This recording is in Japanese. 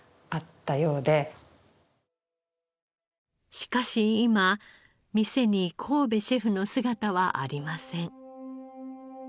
しかし今店に神戸シェフの姿はありません。